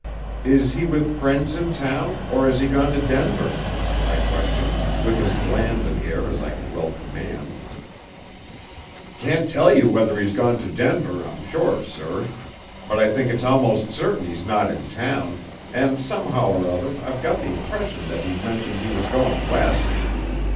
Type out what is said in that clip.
Is he with friends in town, or has he gone to Denver?" I questioned, with as bland an air as I could well command. "Can't tell you whether he's gone to Denver, I'm sure, sir. But I think it's almost certain he's not in town, and somehow or other I've got the impression that he mentioned he was going west."